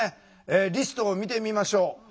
リストを見てみましょう。